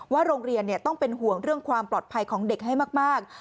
โรงเรียนต้องเป็นห่วงเรื่องความปลอดภัยของเด็กให้มาก